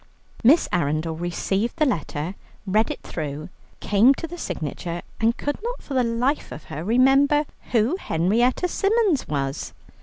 Miss Arundel received the letter, read it through, came to the signature, and could not for the life of her remember who Henrietta Symons was.